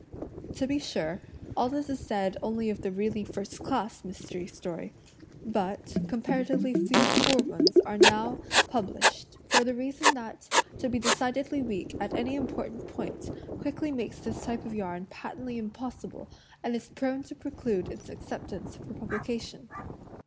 To be sure, all this is said only of the really first class mystery story. But, comparatively few poor ones are now INTRODUCTION Xlll published, for the reason that to be decidedly weak at any important point quickly makes this type of yarn patently "impossible" and is prone to preclude its acceptance for publication.